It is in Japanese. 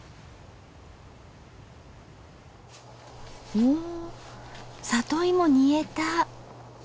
お里芋煮えた。